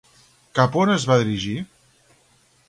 Cap on es va dirigir?